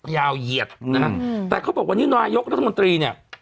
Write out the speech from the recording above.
ยาวเหยียดนะฮะแต่เขาบอกวันนี้นายกรัฐมนตรีเนี่ย